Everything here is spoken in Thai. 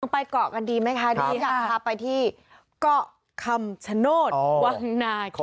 ต้องไปเกาะกันดีไหมคะอยากพาไปที่เกาะกำชนดวงนากิล